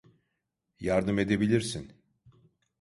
Yardım edebilirsin.